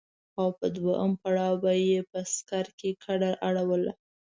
او په دوهم پړاو به يې په سکر کې کډه اړوله.